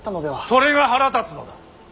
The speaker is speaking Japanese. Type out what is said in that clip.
それが腹立つのだ。